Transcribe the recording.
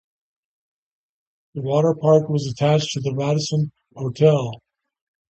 The water park was attached to the Radisson Hotel.